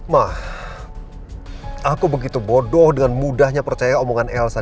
mah aku begitu bodoh dengan mudahnya percaya omongan elsa